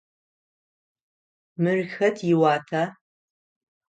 Мыр хэт иуата?